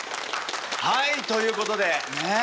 はいということでねえ